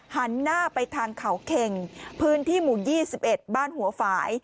หันหน้าไปทางเขาเข็งพื้นที่หมู่๒๑บ้านหัวฝ่าย